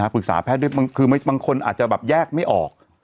ปรึกษาแพทย์ด้วยคือบางคนอาจจะแบบแยกไม่ออก